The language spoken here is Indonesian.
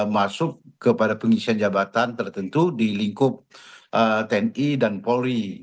masuk kepada pengisian jabatan tertentu di lingkup tni dan polri